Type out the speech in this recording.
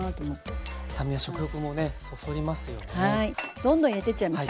どんどん入れてっちゃいますよ。